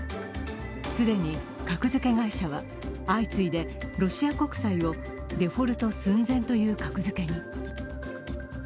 既に格付け会社は相次いでロシア国債をデフォルト寸前という格付けに。